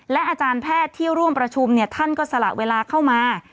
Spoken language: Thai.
และอาจารย์แพทย์ที่ร่วมประชุมท่านก็สละเวลาเข้ามา